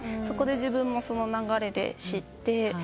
そこで自分もその流れで知って。